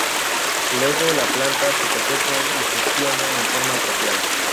Luego la planta se cosechada y gestiona en forma apropiada.